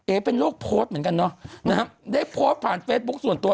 เป็นโรคโพสต์เหมือนกันเนอะนะฮะได้โพสต์ผ่านเฟซบุ๊คส่วนตัว